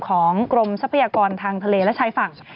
กรมทรัพยากรทางทะเลและชายฝั่ง